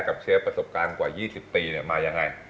เชฟประสบการณ์กว่า๒๐ปีมายังไง